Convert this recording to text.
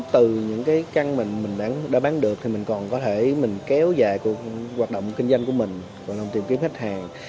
từ những căn mình đã bán được thì mình còn có thể kéo dài cuộc hoạt động kinh doanh của mình còn không tìm kiếm khách hàng